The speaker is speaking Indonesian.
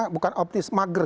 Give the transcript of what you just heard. bukan optimisme mager